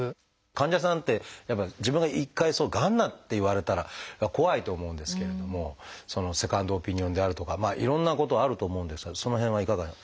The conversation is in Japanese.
患者さんってやっぱり自分が一回がんなんて言われたら怖いと思うんですけれどもセカンドオピニオンであるとかいろんなことあると思うんですがその辺はいかが？